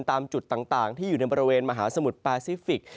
ตามจุดต่างที่อยู่ในบริเวณมหาสมุทรแปซิฟิกส